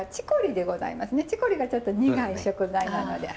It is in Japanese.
チコリがちょっと苦い食材なので。